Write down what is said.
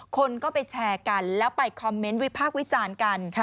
คนก็ไปแชร์กันแล้วไปคอมเมนต์วิพากษ์วิจารณ์กัน